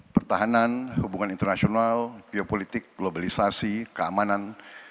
pertahanan hubungan internasional geopolitik globalisasi keamanan